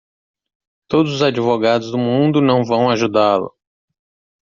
Todos os advogados do mundo não vão ajudá-lo!